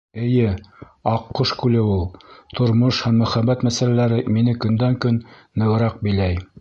Эйе, Аҡҡош күле ул. Тормош һәм мөхәббәт мәсьәләләре мине көндән-көн нығыраҡ биләй.